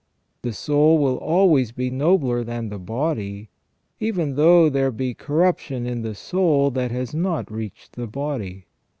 The soul will always be nobler than the body, even though there be corruption in the soul that has not reached the body.